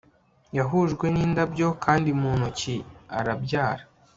yahujwe n'indabyo, kandi mu ntoki arabyara